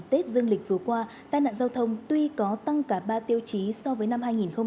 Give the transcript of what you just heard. tết dương lịch vừa qua tai nạn giao thông tuy có tăng cả ba tiêu chí so với năm hai nghìn một mươi tám